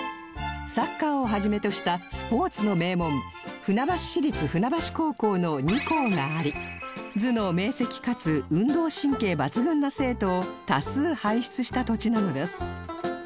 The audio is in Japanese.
サッカーを始めとしたスポーツの名門船橋市立船橋高校の２校があり頭脳明晰かつ運動神経抜群な生徒を多数輩出した土地なのです